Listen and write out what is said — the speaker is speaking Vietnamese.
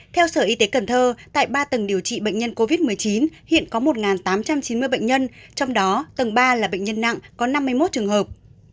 theo sở y tế cần thơ tại ba tầng điều trị bệnh nhân covid một mươi chín hiện có một tám trăm chín mươi bệnh nhân trong đó tầng ba là bệnh nhân nặng có năm mươi một trường hợp